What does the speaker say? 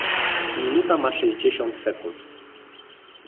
Minuta ma sześćdziesiąt sekund.